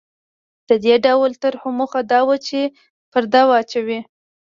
د دې ډول طرحو موخه دا وه چې پرده واچوي.